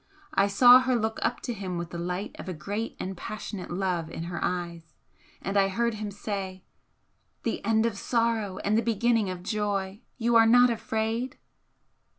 I saw her look up to him with the light of a great and passionate love in her eyes. And I heard him say: "The end of sorrow and the beginning of joy! You are not afraid?"